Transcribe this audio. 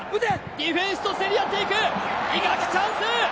ディフェンスと競り合っていく伊垣チャンス！